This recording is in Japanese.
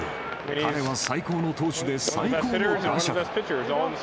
彼は最高の投手で、最高の打者だ。